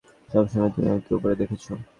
সবসময়ই তুমি আমাকে উপরে দেখেছ।